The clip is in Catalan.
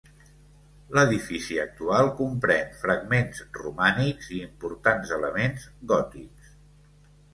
L'edifici actual comprèn fragments romànics i importants elements gòtics.